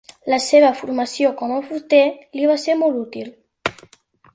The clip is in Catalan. La seva formació com a fuster li va ser molt útil.